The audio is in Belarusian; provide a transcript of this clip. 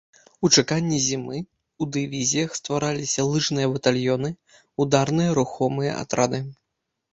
У чаканні зімы ў дывізіях ствараліся лыжныя батальёны, ударныя рухомыя атрады.